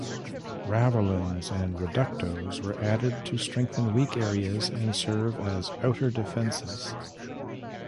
Ravelins and "reductos" were added to strengthen weak areas and serve as outer defenses.